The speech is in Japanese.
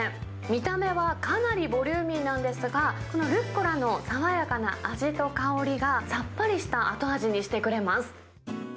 見た目はかなりボリューミーなんですが、ルッコラの爽やかな味と香りが、さっぱりした後味にしてくれます。